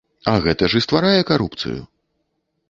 А гэта ж і стварае карупцыю!